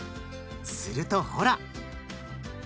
するとほら！